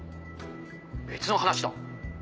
別の話だ。